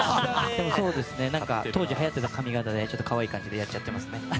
当時はやってた髪形で可愛い感じでやっちゃってますね。